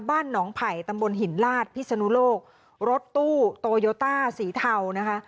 บ้านหนองไผ่ตำบลหินลาดพิศนุโลกรถตู้โตโยต้าสีเทานะคะ